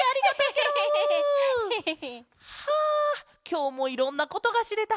きょうもいろんなことがしれた。